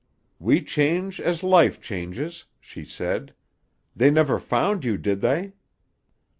'We change as life changes,' she said. 'They never found you, did they?